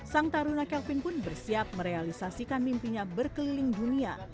sang taruna kelvin pun bersiap merealisasikan mimpinya berkeliling dunia